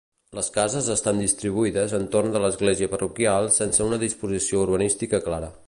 Les cases estan distribuïdes entorn de l'església parroquial sense una disposició urbanística clara.